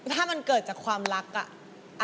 ถ้ามันเกิดจากความรักอะ